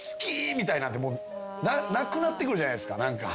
みたいななくなってくるじゃないですか。